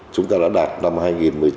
chúng ta đã đạt năm hai nghìn một mươi chín